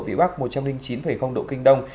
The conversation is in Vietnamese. vị bắc một trăm linh chín độ kinh đông